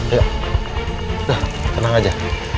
udah tenang aja